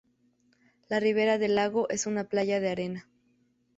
La ribera del lago es una playa de arena.